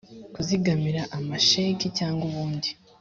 kuzigamira amasheki cyangwa ubundi